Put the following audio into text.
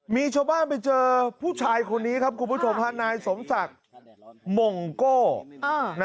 มีชาวบ้านไปเจอผู้ชายคนนี้ครับคุณผู้ชมฮะนายสมศักดิ์มงโก้